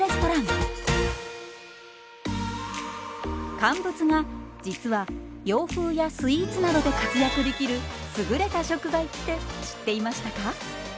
乾物が実は洋風やスイーツなどで活躍できる優れた食材って知っていましたか？